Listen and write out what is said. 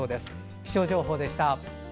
気象情報でした。